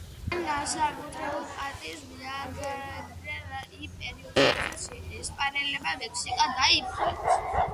მას განსაკუთრებულ პატივს მიაგებდნენ იმ პერიოდში, როდესაც ესპანელებმა მექსიკა დაიპყრეს.